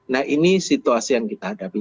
nah ini situasi yang kita hadapi